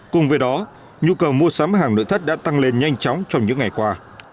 cùng với đó nhu cầu mua sắm hàng nội thất đã tăng lên nhanh chóng trong những ngày qua